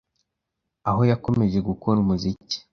aho yakomeje gukora umuziki